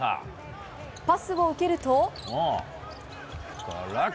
パスを受けると。